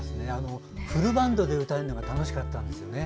フルバンドで歌えるのが楽しかったんですよね。